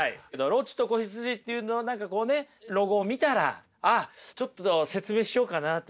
「ロッチと子羊」っていう何かこうねロゴを見たらあっちょっと説明しようかなって思うとかね。